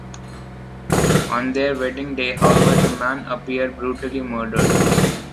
On their wedding day, however, the man appears brutally murdered.